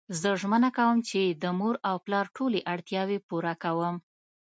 زه ژمنه کوم چی د مور او پلار ټولی اړتیاوی پوره کړم